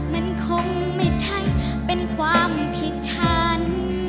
มันคงไม่ใช่เป็นความผิดฉัน